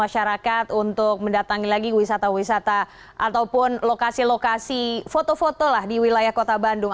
masyarakat untuk mendatangi lagi wisata wisata ataupun lokasi lokasi foto foto lah di wilayah kota bandung